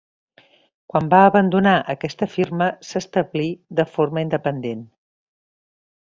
Quan va abandonar aquesta firma, s'establí de forma independent.